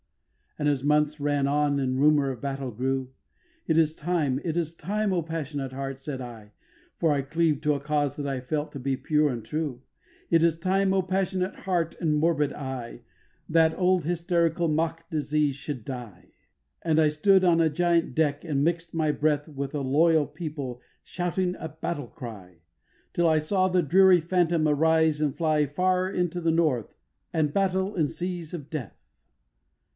3. And as months ran on and rumour of battle grew, 'It is time, it is time, O passionate heart,' said I (For I cleaved to a cause that I felt to be pure and true), 'It is time, O passionate heart and morbid eye, That old hysterical mock disease should die.' And I stood on a giant deck and mix'd my breath With a loyal people shouting a battle cry, Till I saw the dreary phantom arise and fly Far into the North, and battle, and seas of death.